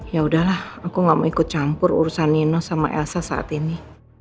ya udahlah aku gak mau ikut campur urusan nino sama elsa saat ini